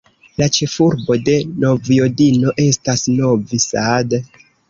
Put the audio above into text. La ĉefurbo de Vojvodino estas Novi Sad.